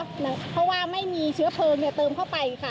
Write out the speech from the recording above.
เพราะว่าไม่มีเชื้อเพลิงเติมเข้าไปค่ะ